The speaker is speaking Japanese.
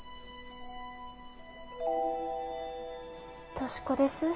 俊子です